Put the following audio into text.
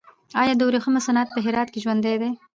آیا د ورېښمو صنعت په هرات کې ژوندی دی؟